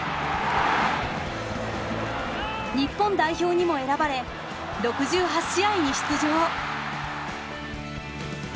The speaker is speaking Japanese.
日本代表にも選ばれ６８試合に出場。